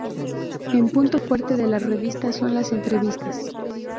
Un punto fuerte de la revista son las entrevistas.